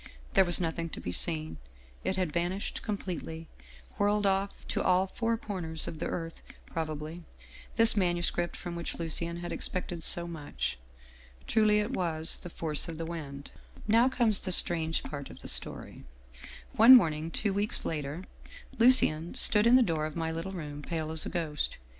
There was nothing to be seen. It had vanished com pletely, whirled off to all four corners of the earth prob ably, this manuscript from which Lucien had expected so much. Truly it was ' The Force of the Wind/ " Now comes the strange part of the story. One morn ing, two weeks later, Lucien stood in the door of my little room, pale as a ghost.